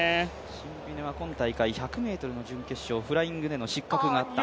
シンビネは１００ｍ準決勝、フライングでの失格があった。